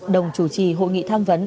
đồng chủ trì hội nghị tham vấn